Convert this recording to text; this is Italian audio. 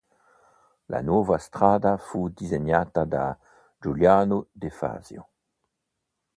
La nuova strada fu disegnata da Giuliano De Fazio.